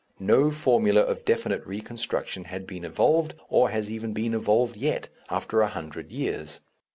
No formula of definite re construction had been evolved, or has even been evolved yet, after a hundred years.